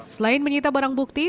selain menyita barang bukti